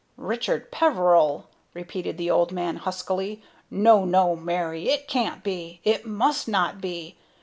"Richard Peveril?" repeated the old man, huskily. "No, no, Mary! It can't be! It must not be!